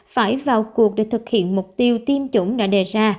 phải vào cuộc để thực hiện mục tiêu tiêm chủng đã đề ra